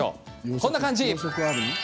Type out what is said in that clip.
こんな感じ！